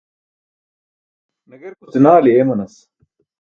Nagerkuce naali eemanas.